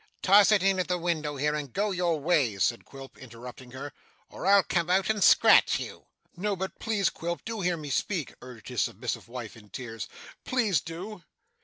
'Toss it in at the window here, and go your ways,' said Quilp, interrupting her, 'or I'll come out and scratch you.' 'No, but please, Quilp do hear me speak,' urged his submissive wife, in tears. 'Please do!